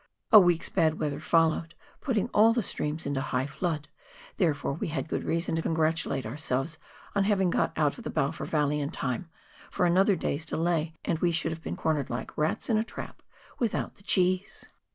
A week's bad weather followed, putting all the streams into high flood, therefore we had good reason to congratulate ourselves on having got out of the Balfour valley in time, for another day's delay and we should have been cornered like rats in a trap, without the cheese.